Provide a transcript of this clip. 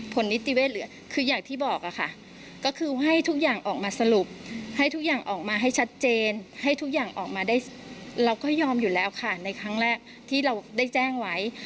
นิติเวทเหลือคืออย่างที่บอกค่ะก็คือให้ทุกอย่างออกมาสรุปให้ทุกอย่างออกมาให้ชัดเจนให้ทุกอย่างออกมาได้เราก็ยอมอยู่แล้วค่ะในครั้งแรกที่เราได้แจ้งไว้